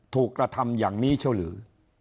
ถูกกระทำอย่างนี้เช่าหรือ